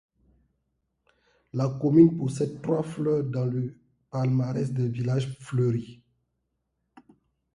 La commune possède trois fleurs dans le palmarès des villages fleuris.